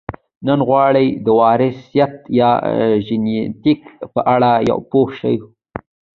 نن غواړو د وراثت یا ژنیتیک په اړه پوه شو